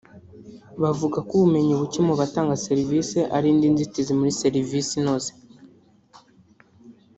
bavuga ko ubumenyi bucye mu batanga serivisi ari indi nzitizi muri serivisi inoze